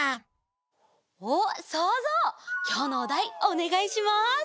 おっそうぞうきょうのおだいおねがいします。